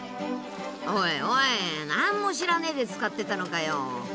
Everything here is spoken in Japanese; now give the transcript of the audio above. おいおい何も知らねぇで使ってたのかよ。